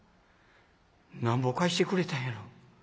なんぼ貸してくれたんやろう。